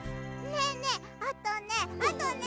ねえねえあとねあとね。